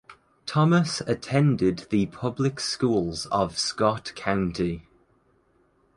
Thomas attended the public schools of Scott County.